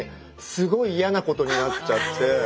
すごい嫌なことになっちゃって。